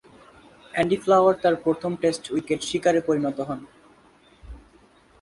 Andy Flower তার প্রথম test wicket শিকারে পরিণত হন।